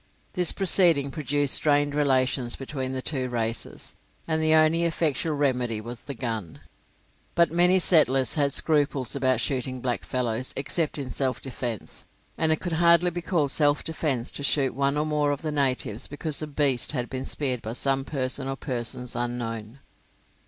This proceeding produced strained relations between the two races, and the only effectual remedy was the gun. But many of the settlers had scruples about shooting blackfellows except in self defence, and it could hardly be called self defence to shoot one or more of the natives because a beast had been speared by some person or persons unknown.